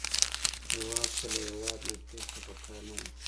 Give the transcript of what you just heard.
هېواد ته له هېواده نه تېښته پکار نه ده